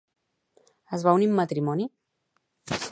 Es va unir en matrimoni?